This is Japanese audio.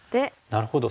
なるほど。